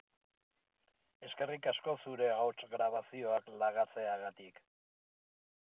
Eskerrik asko zure ahots-grabazioak lagatzeagatik!